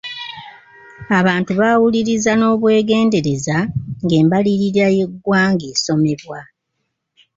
Abantu baawuliriza n'obwegenddereza ng'embalirira y'eggwanga esomebwa.